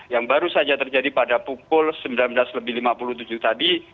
yang baru saja terjadi pada pukul sembilan belas lebih lima puluh tujuh tadi